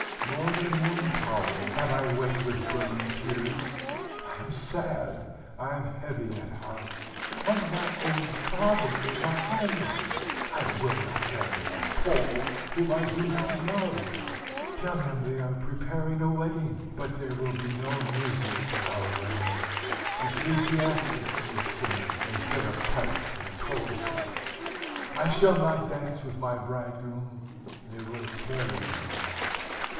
More than one towel have I wet with burning tears. I am sad, I am heavy at heart. And my own father is my enemy. I will not marry that Pole, whom I do not love. Tell him they are preparing a wedding, but there will be no music at our wedding: ecclesiastics will sing instead of pipes and kobzas. [Footnote: Eight stringed musical instrument.] I shall not dance with my bridegroom: they will carry me out.